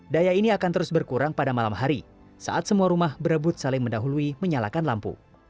daya ini akan terus berkurang pada malam hari saat semua rumah berebut saling mendahului menyalakan lampu